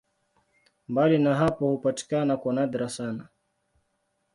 Mbali na hapo hupatikana kwa nadra sana.